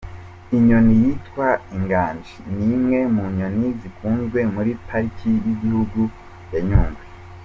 Inyoni yitwa Inganji ni imwe mu nyoni zikunzwe muri Pariki y’igihugu ya Nyungwe.